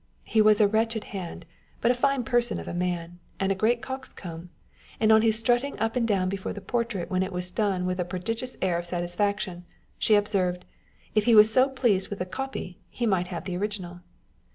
He was a wretched hand, but a fine person of a man, and a great coxcomb ; and on his strutting up and down before the portrait when it was done with a prodigious air of satisfaction, she observed, " If he was so pleased with the copy, he might have the original."